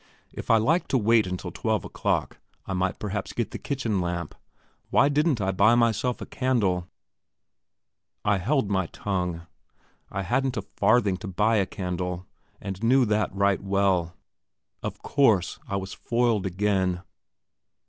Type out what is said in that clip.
If I liked to wait until twelve o'clock, I might perhaps get the kitchen lamp. Why didn't I buy myself a candle? I held my tongue. I hadn't a farthing to buy a candle, and knew that right well. Of course I was foiled again!